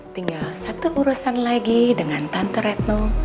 tinggal satu urusan lagi dengan tante retno